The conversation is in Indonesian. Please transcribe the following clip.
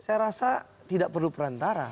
saya rasa tidak perlu perantara